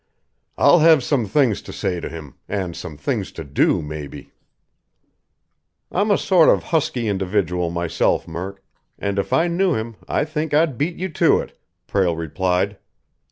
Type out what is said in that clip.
"I'll have some things to say to him and some things to do, maybe." "I'm a sort of husky individual myself, Murk, and, if I knew him, I think I'd beat you to it," Prale replied.